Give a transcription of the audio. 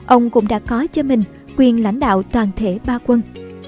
ông cũng đã có cho mình quyền lãnh đạo toàn thể ba quân